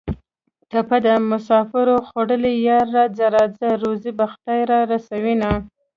ټپه ده: مسافرو خوړلیه یاره راځه راځه روزي به خدای را رسوینه